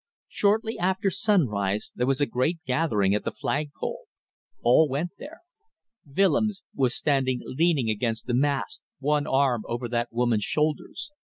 Shortly after sunrise there was a great gathering at the flag pole. All went there. Willems was standing leaning against the mast, one arm over that woman's shoulders.